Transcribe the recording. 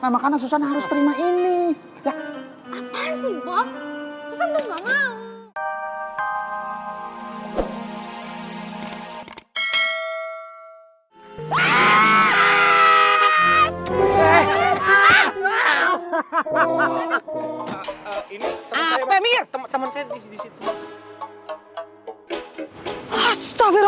makanan susah harus terima ini ya apaan sih bob itu